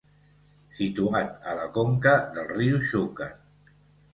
Situat a la conca del riu Xúquer.